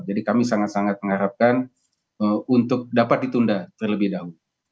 jadi kami sangat sangat mengharapkan untuk dapat ditunda terlebih dahulu